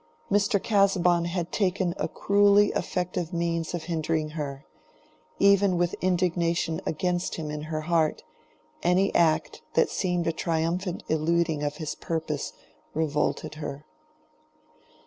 Mr. Casaubon had taken a cruelly effective means of hindering her: even with indignation against him in her heart, any act that seemed a triumphant eluding of his purpose revolted her.